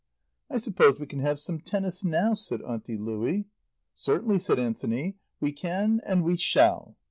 "I suppose we can have some tennis now," said Auntie Louie. "Certainly," said Anthony, "we can, and we shall."